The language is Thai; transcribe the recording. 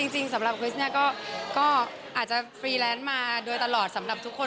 จริงสำหรับคริสเนี่ยก็อาจจะฟรีแลนซ์มาโดยตลอดสำหรับทุกคน